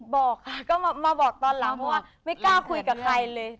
บอกค่ะก็มาบอกตอนหลังเพราะว่าไม่กล้าคุยกับใครเลย